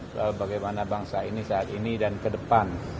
soal bagaimana bangsa ini saat ini dan ke depan